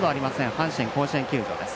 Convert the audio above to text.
阪神甲子園球場です。